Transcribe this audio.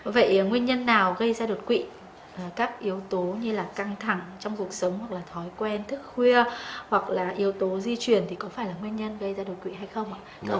vậy nguyên nhân nào gây ra đột quỵ các yếu tố như là căng thẳng trong cuộc sống hoặc là thói quen thức khuya hoặc là yếu tố di truyền thì có phải là nguyên nhân gây ra đột quỵ hay không ạ